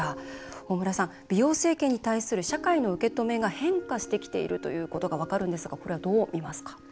大村さん、美容整形に対する社会の受け止めが変化してきているということが分かるんですがこれはどう見ますか？